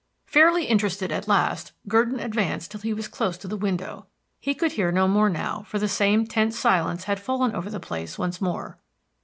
Fairly interested at last, Gurdon advanced till he was close to the window. He could hear no more now, for the same tense silence had fallen over the place once more.